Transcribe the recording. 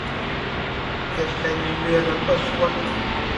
เก็บได้หนึ่งเดือนหลังเปิดขวด